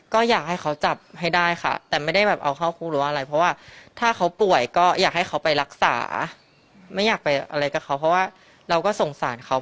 ใช่ค่ะจะโดรนคดีถึงขั้นไหนค่ะปรึกษาพ่อแล้วก็ใน